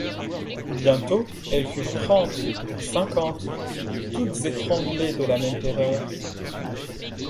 Bientôt, elles furent trente, puis cinquante, toutes étranglées de la même terreur.